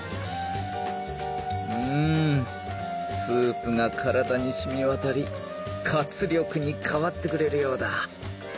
スープが体に染み渡り活力に変わってくれるようだ